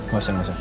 gak usah gak usah